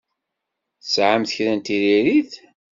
Tesɛamt kra n tiririt?